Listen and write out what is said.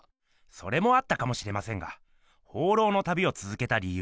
それもあったかもしれませんが放浪の旅をつづけたりゆう。